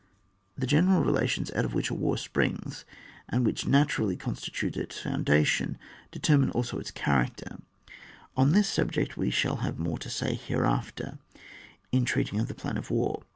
The general relations out of which a war springs, and which naturally con stitute its fbundation, determine fldso its character ; on this subject we shall have more to say hereafter, in treating of the plan of a war.